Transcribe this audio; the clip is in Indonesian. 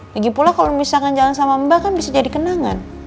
lagi pula kalau misalkan jalan sama mbak kan bisa jadi kenangan